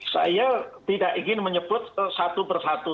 saya tidak ingin menyebut satu persatu